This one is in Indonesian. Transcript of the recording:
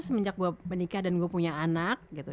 sejak gue menikah dan gue punya anak gitu